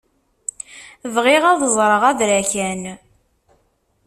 Bɣiɣ ad ẓreɣ abṛakan.